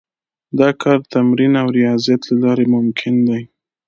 دا کار د تمرین او ریاضت له لارې ممکن دی